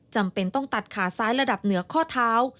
จำเป็นต้องตัดขาซ้ายระดับเหนือข้อเท้า